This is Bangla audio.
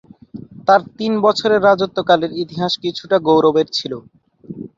তার তিন বছরের রাজত্বকালের ইতিহাস কিছুটা গৌরবের ছিল।